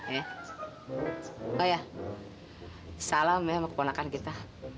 ya salam ya sama keponakan kita